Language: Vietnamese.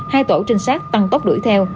hai tổ trinh sát tăng tốc đuổi theo